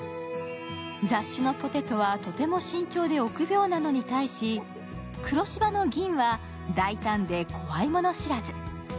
雑種のポテトはとても慎重で臆病なのに対し、黒柴の銀は大胆で怖いもの知らず。